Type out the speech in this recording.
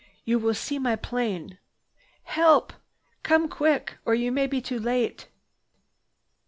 You will see my plane. Help! Come quick, or you may be too late!"